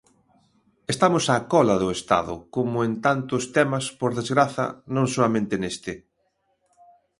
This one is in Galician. Estamos á cola do Estado, como en tantos temas, por desgraza, non soamente neste.